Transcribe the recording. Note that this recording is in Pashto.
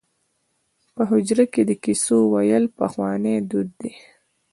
په حجره کې د کیسو ویل پخوانی دود دی.